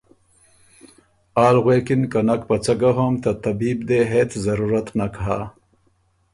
آل غوېکِن که ”نک په څۀ ګۀ هوم، ته طبیب دې هېڅ ضرورت نک هۀ“